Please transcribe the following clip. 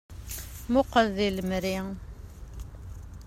Muqel deg lemri.